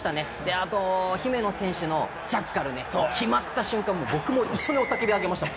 あと、姫野選手のジャッカル決まった瞬間、僕も一緒に雄たけびをあげました。